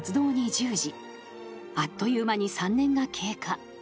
［あっという間に３年が経過］